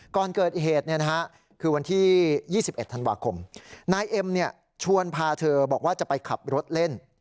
ก่อนเกิดเหตุคือวันที่๒๑ธันวาคมนายเอ็มชวนพาเธอบอกว่าจะไปขับรถเล่น